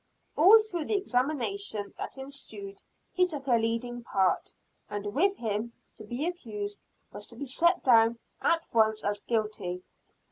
All through the examination that ensued he took a leading part, and with him, to be accused was to be set down at once as guilty.